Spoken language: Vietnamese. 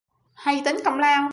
Hay tính công lao